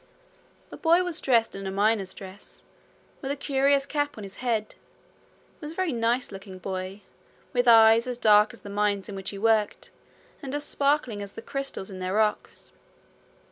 The boy was dressed in a miner's dress, with a curious cap on his head. He was a very nice looking boy, with eyes as dark as the mines in which he worked and as sparkling as the crystals in their rocks.